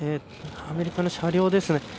アメリカの車両ですね。